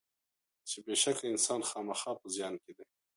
چې بېشکه انسان خامخا په زیان کې دی.